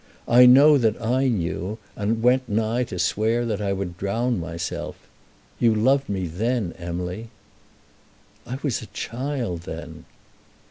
I know that I knew, and went nigh to swear that I would drown myself. You loved me then, Emily." "I was a child then."